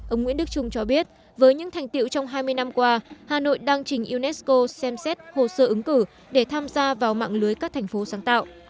ông nguyễn đức trung cho biết với những thành tiệu trong hai mươi năm qua hà nội đang trình unesco xem xét hồ sơ ứng cử để tham gia vào mạng lưới các thành phố sáng tạo